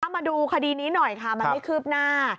มาดูคดีนี้หน่อยค่ะมันไม่คืบหน้า